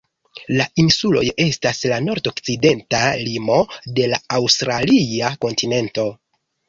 La insuloj estas la nordokcidenta limo de la aŭstralia kontinento.